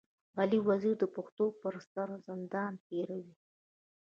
علي وزير د پښتنو پر سر زندان تېروي.